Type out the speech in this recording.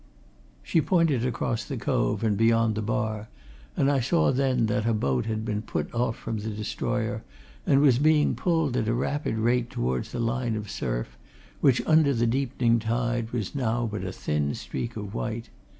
She pointed across the cove and beyond the bar, and I saw then that a boat had been put off from the destroyer and was being pulled at a rapid rate towards the line of surf which, under the deepening tide, was now but a thin streak of white.